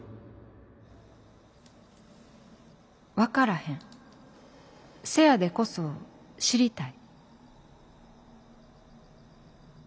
「わからへんせやでこそ知りたい」。